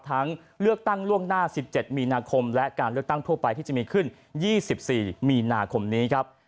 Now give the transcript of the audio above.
เลือกตั้งล่วงหน้า๑๗มีนาคมและการเลือกตั้งทั่วไปที่จะมีขึ้น๒๔มีนาคมนี้ครับ